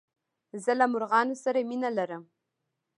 زه له مرغانو سره مينه لرم.